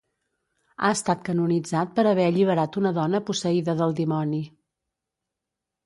Ha estat canonitzat per haver alliberat una dona posseïda del dimoni.